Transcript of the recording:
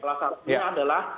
salah satunya adalah